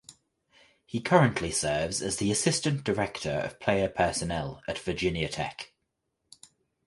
He currently serves as the assistant director of player personnel at Virginia Tech.